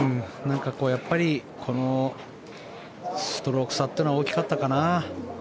やっぱりストローク差というのは大きかったかな。